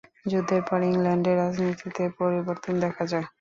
যুদ্ধের পর ইংল্যান্ডের রাজনীতিতেও পরিবর্তন দেখা যায়।